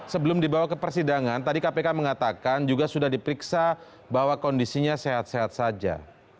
sebelum dibawa ke persidangan tadi kpk mengatakan juga sudah diperiksa bahwa kondisinya sehat sehat saja